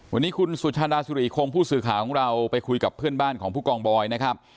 วันนี้คุณสุชาดาสุริคงผู้สื่อข่าวของเราไปคุยกับเพื่อนบ้านของผู้กองบอยนะครับ